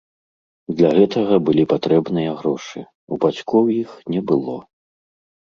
Для гэтага былі патрэбныя грошы, у бацькоў іх не было.